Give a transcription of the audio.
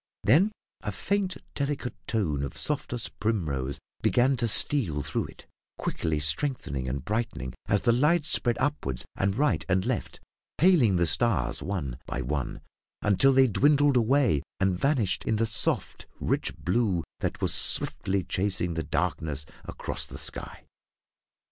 Then a faint, delicate tone of softest primrose began to steal through it, quickly strengthening and brightening as the light spread upward and right and left, paling the stars one by one, until they dwindled away and vanished in the soft, rich blue that was swiftly chasing the darkness across the sky.